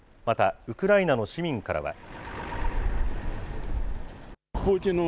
また、ウクライナの市民からは。